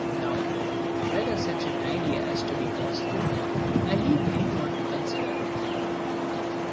Now, whether such an idea as that be positive, I leave any one to consider.